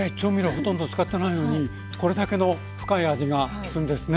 ほとんど使ってないのにこれだけの深い味がするんですね。